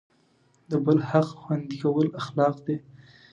د بل حق خوندي کول اخلاق دی.